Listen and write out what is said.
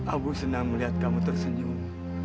aku senang melihat kamu tersenyum